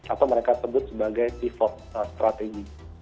atau mereka sebut sebagai pivot strategy